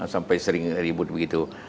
sampai sering ribut begitu